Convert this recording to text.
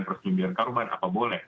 persetujuan korban apa boleh